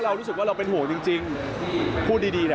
เอาจริงนะ